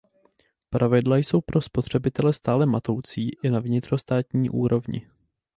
Pravidla jsou pro spotřebitele stále matoucí i na vnitrostátní úrovni.